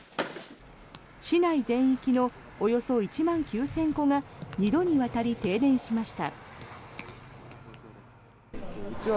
市内全域のおよそ１万９０００戸が２度にわたり停電しました。